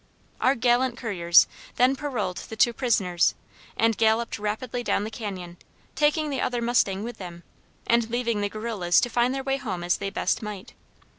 Our gallant couriers then paroled the two prisoners, and galloped rapidly down the cañon, taking the other mustang with them, and leaving the guerrillas to find their way home as they best might.